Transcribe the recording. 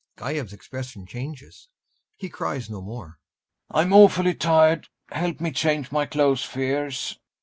GAEV'S expression changes, he cries no more] I'm awfully tired. Help me change my clothes, Fiers.